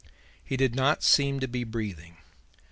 He did not seem to be breathing.